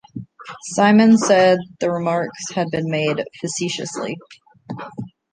Symons said the remarks had been made facetiously.